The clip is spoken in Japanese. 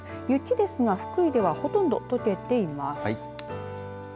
雪ですが福井ではほとんどとけています。